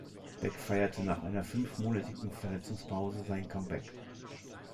Beck feierte nach einer fünfmonatigen Verletzungspause sein Comeback.